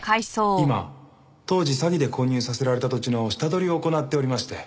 今当時詐欺で購入させられた土地の下取りを行っておりまして。